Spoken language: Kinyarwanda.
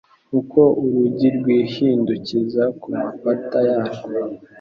Uko urugi rwihindukiza ku mapata yarwo